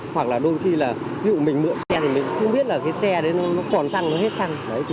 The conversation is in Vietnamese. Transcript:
hoặc là đôi khi là ví dụ mình mượn xe thì mình không biết là cái xe đấy nó còn xăng nó hết xăng